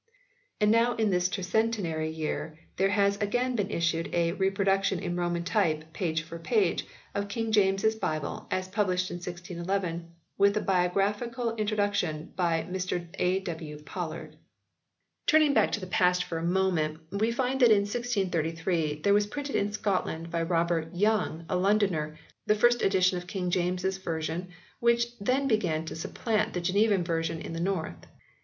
And now in this Tercentenary year there has again been issued "a reproduction in Roman type, page for page, of King James s Bible, as published in 1611," with a bibliographical intro duction by Mr A. W. Pollard. B. 8 114 HISTORY OF THE ENGLISH BIBLE [CH.VI Turning back to the past for a moment we find that in 1633 there was printed in Scotland by Robert Young, a Londoner, the first edition of King James s version which then began to supplant the Genevan version in the north.